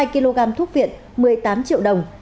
hai kg thuốc viện một mươi tám triệu đồng